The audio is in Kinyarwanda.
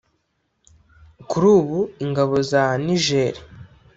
Kuri ubu ingabo za Niger